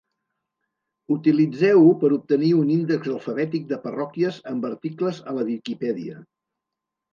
Utilitzeu-ho per obtenir un índex alfabètic de parròquies amb articles a la Viquipèdia.